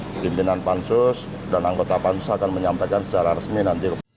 pimpinan pansus dan anggota pansus akan menyampaikan secara resmi nanti